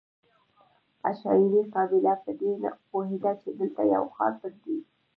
عشایري قبیله په دې پوهېده چې دلته یو ښار پټ دی.